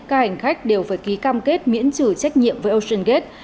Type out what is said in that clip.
các hành khách đều phải ký cam kết miễn trừ trách nhiệm với oceangate